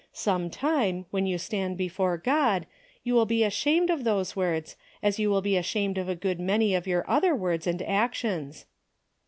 Some time, when you stand before God, you will be ashamed of those words, as you will be ashamed of a good many of your other words and actions."